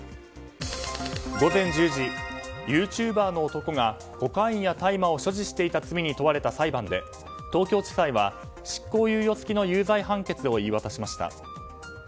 午前１０時ユーチューバーの男がコカインや大麻を所持していた罪に問われた裁判で、東京地裁は執行猶予付きの有罪判決を言い渡しました。